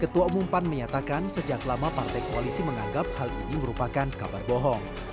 ketua umum pan menyatakan sejak lama partai koalisi menganggap hal ini merupakan kabar bohong